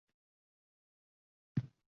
– mavjud imkoniyatlardan foydalanish.